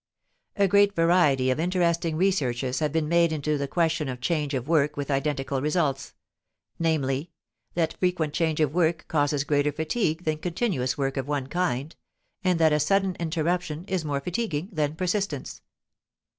A great variety of interesting researches have been made into the question of change of work with identical results namely, that frequent change of work causes greater fatigue than continuous work of one kind, and that a sudden interruption is more fatiguing than persistence.